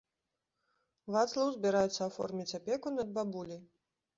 Вацлаў збіраецца аформіць апеку над бабуляй.